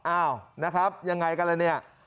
อ้าวนะครับยังไงกันละเนี่ย